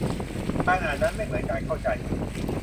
การอ่านนั้นไม่เหมือนการเข้าใจ